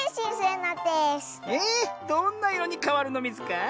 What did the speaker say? えどんないろにかわるのミズか？